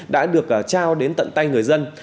đã được trao đến tận tay người dân